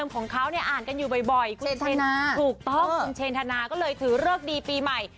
ของเขาเนี่ยอ่านกันอยู่บ่อยคุณถูกต้องคุณเชนธนาก็เลยถือเลิกดีปีใหม่